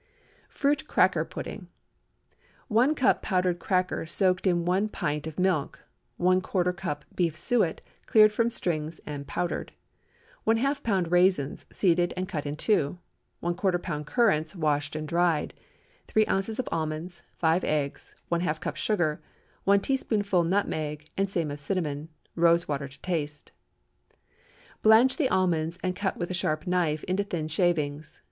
FRUIT CRACKER PUDDING. 1 cup powdered cracker soaked in one pint of milk. ¼ lb. beef suet, cleared from strings and powdered. ½ lb. raisins, seeded and cut in two. ¼ lb. currants, washed and dried. 3 oz. almonds. 5 eggs. ½ cup sugar. 1 teaspoonful nutmeg, and same of cinnamon. Rose water to taste. Blanch the almonds and cut with a sharp knife into thin shavings.